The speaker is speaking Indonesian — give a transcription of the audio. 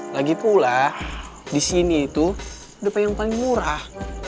lagi pula di sini itu depa yang paling murah